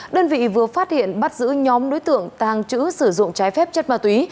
đơn vị vừa phát hiện bắt giữ nhóm đối tượng tàng trữ sử dụng trái phép chất ma túy